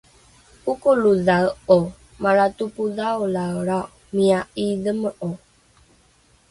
'Okolodhae'o, malra topodhaolaelrao miya 'idheme'o!